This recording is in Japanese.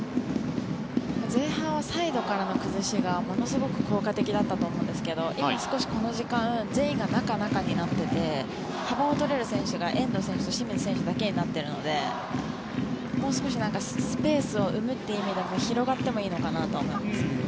前半はサイドからの崩しがものすごく効果的だったと思うんですが今、少しこの時間全員が中、中になっていて幅を取れる選手が遠藤選手と清水選手だけになっているのでもう少しスペースを生むという意味でも広がってもいいのかなとは思いますね。